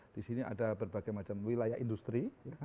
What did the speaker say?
di sini ada berbagai macam wilayah industri